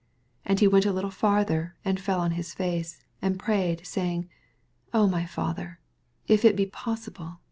89 And he went a little farther, and fell on his &c^ and pra;^ed, saying, O my Father, if it he possihle.